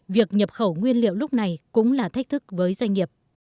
việc nhập khẩu nguyên liệu lúc này cũng là thách thức với doanh nghiệp